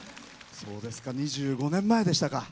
そうですか２５年前でしたか。